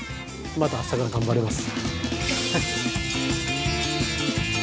また明日から頑張れます。